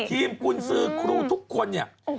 กุญสือครูทุกคนเนี่ย